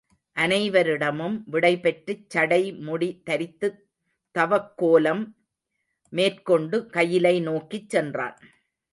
அனைவரிடமும் விடைபெற்றுச் சடைமுடி தரித்துத் தவக்கோலம் மேற்கொண்டு கயிலை நோக்கிச் சென்றான்.